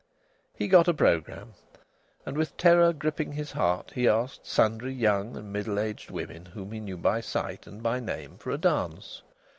He got a programme, and with terror gripping his heart he asked sundry young and middle aged women whom he knew by sight and by name for a dance.